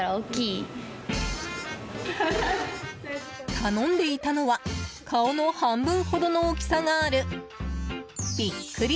頼んでいたのは顔の半分ほどの大きさがあるびっくり